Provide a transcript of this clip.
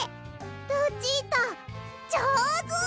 ルチータじょうず！